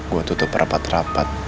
gue tutup rapat rapat